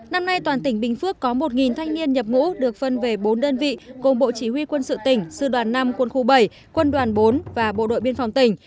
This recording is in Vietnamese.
năm nay toàn tỉnh bình phước có một thanh niên nhập ngũ được phân về bốn đơn vị gồm bộ chỉ huy quân sự tỉnh sư đoàn năm quân khu bảy quân đoàn bốn và bộ đội biên phòng tỉnh